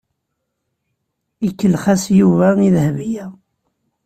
Ikellex-as Yuba i Dahbiya.